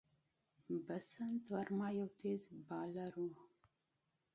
بسنت ورما یو تېز بالر وو.